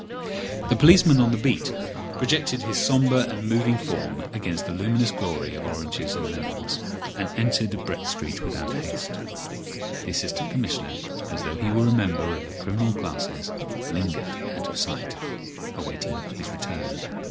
The policeman on the beat projected his sombre and moving form against the luminous glory of oranges and lemons, and entered Brett Street without haste. The Assistant Commissioner, as though he were a member of the criminal classes, lingered out of sight, awaiting his return.